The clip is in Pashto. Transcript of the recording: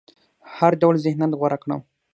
هر ډول ذهنيت غوره کړم.